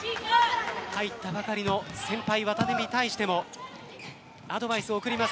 入ったばかりの先輩渡邊に対してもアドバイスを送ります。